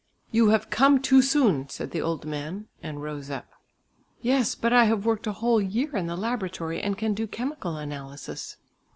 "You have come too soon," said the old man, and rose up. "Yes, but I have worked a whole year in the laboratory, and can do chemical analysis."